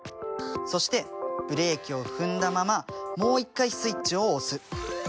そしてブレーキを踏んだままもう一回スイッチを押す。